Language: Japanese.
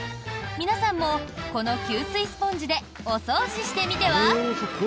皆さんもこの吸水スポンジでお掃除してみては？